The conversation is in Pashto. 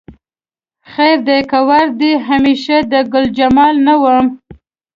خیر دی که وړ دې همیشه د ګلجمال نه وم